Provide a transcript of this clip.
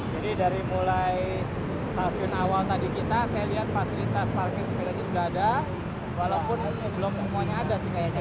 jadi dari mulai stasiun awal tadi kita saya lihat fasilitas parkir sembilan berada walaupun belum semuanya ada sih kayaknya